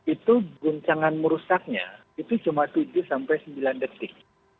itu guncangan merusaknya itu cuma tujuh sampai sembilan detik